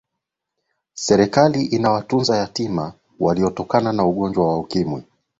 seriakali inawatunza yatima yaliyotoikana na ugongwa wa ukimwi